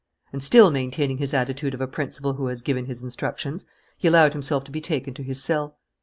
And, still maintaining his attitude of a principal who has given his instructions, he allowed himself to be taken to his cell.